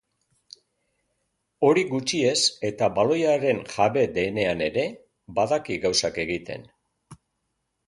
Hori gutxi ez eta baloiaren jabe denean ere badaki gauzak egiten.